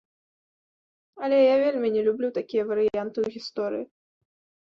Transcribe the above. Але, я вельмі не люблю такія варыянты ў гісторыі.